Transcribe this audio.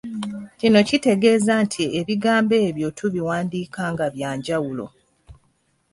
Kino kitegeeza nti ebigambo ebyo tubiwandiika nga bya njawulo.